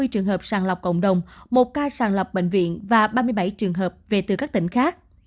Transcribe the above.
hai mươi trường hợp sàng lọc cộng đồng một ca sàng lọc bệnh viện và ba mươi bảy trường hợp về từ các tỉnh khác